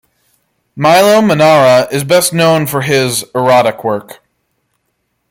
Milo Manara is best known for his erotic work.